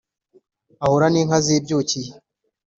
Ahura n'inka zibyukiriye